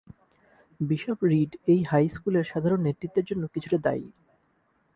Bishop Reid এই high স্কুলের সাধারণ নেতৃত্বের জন্য কিছুটা দায়ী।